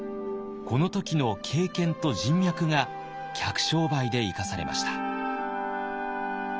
この時の経験と人脈が客商売で生かされました。